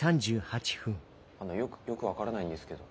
あのよくよく分からないんですけど。